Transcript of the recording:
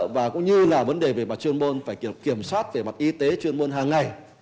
và cũng như là vấn đề về mặt chuyên môn phải kiểm soát về mặt y tế chuyên môn hàng ngày